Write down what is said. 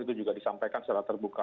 itu juga disampaikan secara terbuka